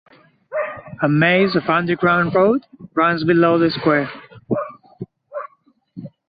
A maze of underground roads runs below the square.